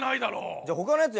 じゃあ他のやつやる？